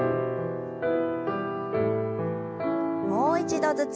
もう一度ずつ。